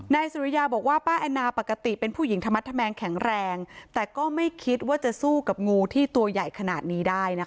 นายสุริยาบอกว่าป้าแอนนาปกติเป็นผู้หญิงธรรมธแมงแข็งแรงแต่ก็ไม่คิดว่าจะสู้กับงูที่ตัวใหญ่ขนาดนี้ได้นะคะ